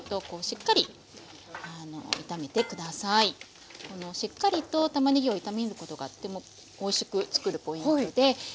しっかりとたまねぎを炒めることがとてもおいしく作るポイントで。